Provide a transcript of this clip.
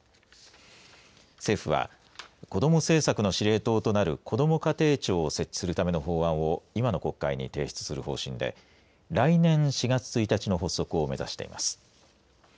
政府は子ども政策の司令塔となるこども家庭庁を設置するための法案を今の国会に提出する方針で来年４月１日の発足を目指しています。